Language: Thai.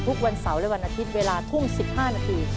ทุกวันเสาร์และวันอาทิตย์เวลาทุ่ม๑๕นาที